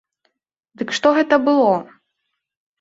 Дык што гэта было?